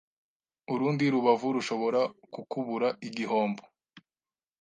Urundi rubavu rushobora kukubura igihombo